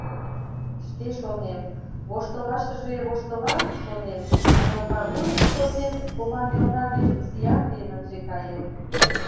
Шке шонем: воштылашыже воштылам, шонем, но кабуй, шонем, команмелна гыч зиян лийын ынже кае.